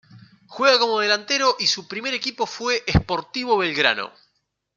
Juega como delantero y su primer equipo fue Sportivo Belgrano.